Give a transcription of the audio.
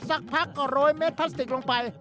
สักพักก็โรยเม็ดพลาสติกลงไป